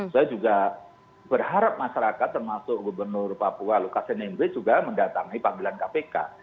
saya juga berharap masyarakat termasuk gubernur papua lukas nmb juga mendatangi panggilan kpk